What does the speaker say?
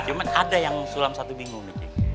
cuma ada yang sulam satu bingung nih cik